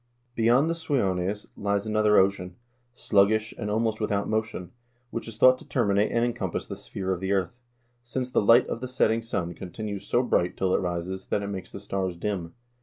" Beyond the Suiones lies another ocean, sluggish, and almost without motion, which is thought to terminate and encompass the sphere of the earth, since the light of the setting sun continues so bright till it rises, that it makes the stars dim."